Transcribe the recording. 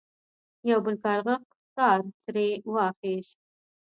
یو بل کارغه ښکار ترې واخیست.